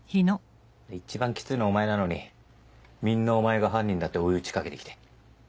一番きついのお前なのにみんなお前が犯人だって追い打ちかけて来て。